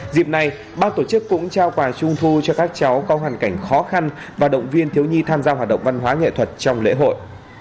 dịp này ban tổ chức cũng trao quà trung thu cho các cháu có hoàn cảnh khó khăn và động viên thiếu nhi tham gia hoạt động văn hóa nghệ thuật trong lễ hội